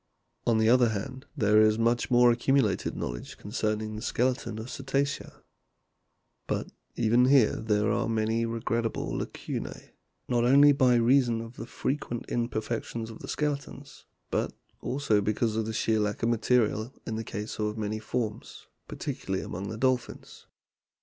On the other hand, there is much more accumulated knowledge concerning the skeleton of the Cetacea ; but even here there are many regret table lacunae, not only by reason of the frequent imperfections of the skeletons, but also by sheer lack INTRO D UCTOR Y xv of material in the case of many forms, particularly among the dolphins.